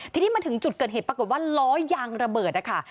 ทีนี้มาถึงจุดเกิดเหตุปรากฏว่าล้อยางระเบิดนะคะ